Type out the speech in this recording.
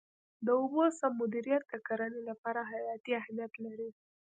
د اوبو سم مدیریت د کرنې لپاره حیاتي اهمیت لري.